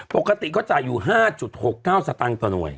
ปกติเขาจ่ายอยู่๕๖๙สตางค์ต่อหน่วย